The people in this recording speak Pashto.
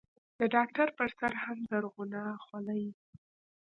د ډاکتر پر سر هم زرغونه خولۍ.